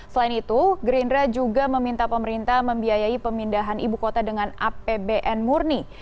selain itu gerindra juga meminta pemerintah membiayai pemindahan ibu kota dengan apbn murni